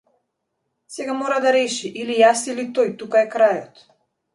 Сега мора да реши или јас или тој тука е крајот.